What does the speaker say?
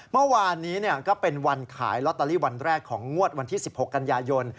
เมื่อวานนี้ก็เป็นวันขายลอตเตอรี่วันแรกของงวดวันที่๑๖กันยายน